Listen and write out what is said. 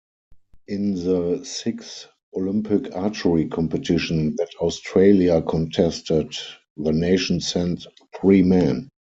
In the sixth Olympic archery competition that Australia contested, the nation sent three men.